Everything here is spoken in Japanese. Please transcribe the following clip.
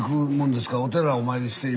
お寺お参りして今。